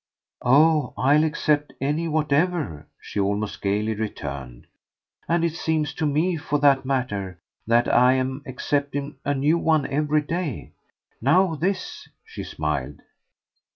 "Oh I'll accept any whatever!" she almost gaily returned. "And it seems to me, for that matter, that I'm accepting a new one every day. Now THIS!" she smiled.